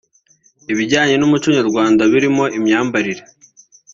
ibijyanye n’umuco nyarwanda birimo imyambarire